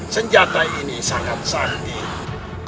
senjata ini sangat sanggih